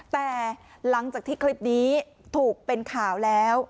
แต่หลังจากที่คลิปนี้ถูกเป็นข่าวแล้ว